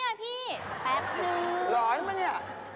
นี่พี่แป๊บนึงเหรอมั้ยนี่